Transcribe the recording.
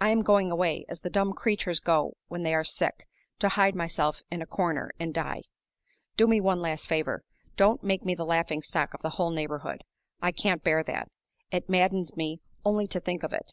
I am going away, as the dumb creatures go when they are sick, to hide myself in a corner, and die. Do me one last favor. Don't make me the laughing stock of the whole neighborhood. I can't bear that; it maddens me only to think of it.